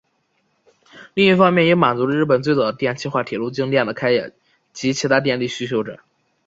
另一方面也满足了日本最早的电气化铁路京电的开业及其他电力需求者。